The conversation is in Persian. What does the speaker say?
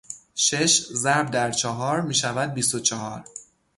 شش ضرب در چهار میشود بیست و چهار